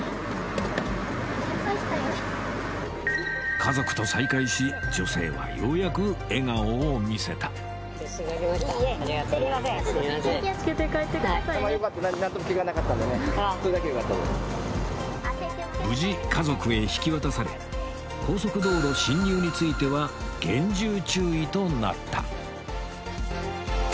家族と再会し女性はようやく笑顔を見せた無事家族へ引き渡され高速道路進入についてはなった